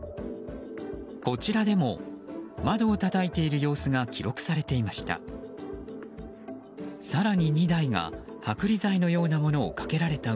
こちらでも窓をたたいている様子が記録されていました。